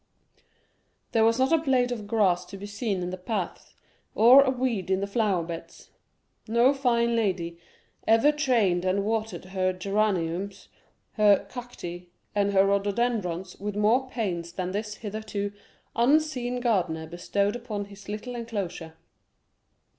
There was not a blade of grass to be seen in the paths, or a weed in the flower beds; no fine lady ever trained and watered her geraniums, her cacti, and her rhododendrons, in her porcelain jardinière with more pains than this hitherto unseen gardener bestowed upon his little enclosure.